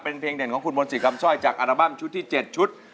เป็นเพลงเด่นของคุณมนตรีคำสร้อยจากอัลบั้มชุดที่๗ชุด